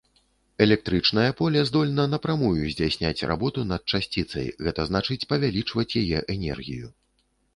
Электрычнае поле здольна напрамую здзяйсняць работу над часціцай, гэта значыць павялічваць яе энергію.